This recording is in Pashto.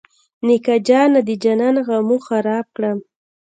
نیکه جانه د جانان غمو خراب کړم.